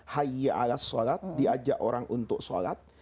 haya alas sholat diajak orang untuk sholat